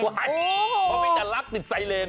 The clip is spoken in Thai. พวกเรยะเรือลัดติดสายเรน